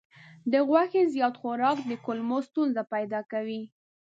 د غوښې زیات خوراک د کولمو ستونزې پیدا کوي.